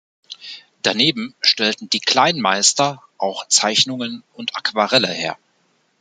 Daneben stellten die "Kleinmeister" auch Zeichnungen und Aquarelle her.